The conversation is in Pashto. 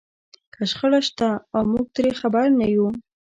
که شخړه شته او موږ ترې خبر نه وو.